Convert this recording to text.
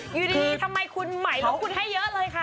อยู่ดีทำไมคุณใหม่แล้วคุณให้เยอะเลยค่ะ